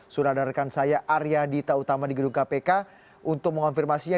sudah ada rekan saya arya dita utama di gedung kpk untuk mengonfirmasinya